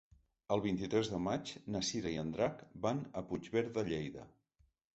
El vint-i-tres de maig na Cira i en Drac van a Puigverd de Lleida.